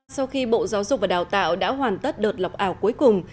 sau khi bộ giáo dục và đào tạo đã hoàn tất đợt lọc ảo cuối cùng